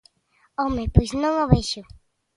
¡Home, pois non o vexo!